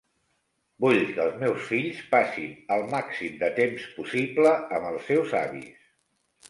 Vull que els meus fills passin el màxim de temps possible amb els seus avis.